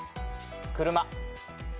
車。